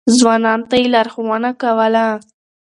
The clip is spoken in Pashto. ځوانانو ته يې لارښوونه کوله.